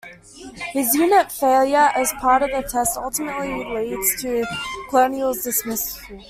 His unit's failure as part of the test ultimately leads to the colonel's dismissal.